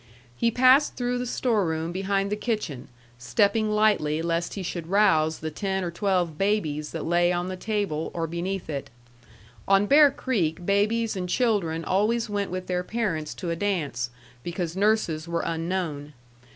He passed through the store room behind the kitchen, stepping lightly lest he should rouse the ten or twelve babies that lay on the table or beneath it. On Bear Creek babies and children always went with their parents to a dance, because nurses were unknown.